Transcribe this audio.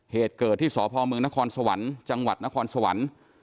เหตุเกิดที่สพเมืองนครสวรรค์จังหวัดนครสวรรค์